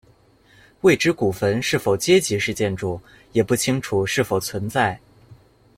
未知古坟是否阶级式建筑，也不清楚是否存在。